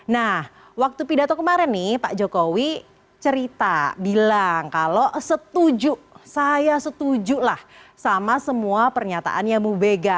nah waktu pidato kemarin nih pak jokowi cerita bilang kalau setuju saya setuju lah sama semua pernyataannya bu mega